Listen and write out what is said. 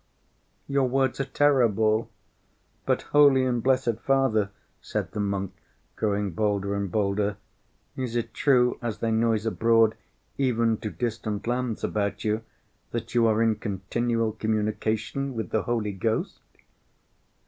"Your words are terrible! But, holy and blessed Father," said the monk, growing bolder and bolder, "is it true, as they noise abroad even to distant lands about you, that you are in continual communication with the Holy Ghost?"